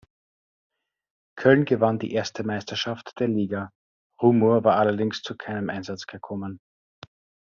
Köln gewann die erste Meisterschaft der Liga, Rumor war allerdings zu keinem Einsatz gekommen.